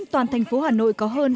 toàn thành phố hà nội có hơn